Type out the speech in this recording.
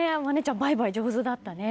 バイバイ上手だったね。